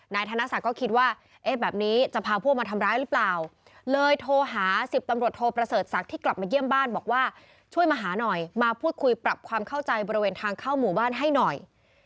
ธนศักดิ์ก็คิดว่าเอ๊ะแบบนี้จะพาพวกมาทำร้ายหรือเปล่าเลยโทรหาสิบตำรวจโทประเสริฐศักดิ์ที่กลับมาเยี่ยมบ้านบอกว่าช่วยมาหาหน่อยมาพูดคุยปรับความเข้าใจบริเวณทางเข้าหมู่บ้านให้หน่อย